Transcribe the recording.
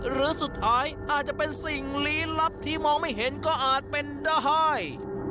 หรือสุดท้ายอาจจะเป็นสิ่งลี้ลับที่มองไม่เห็นก็อาจเป็นได้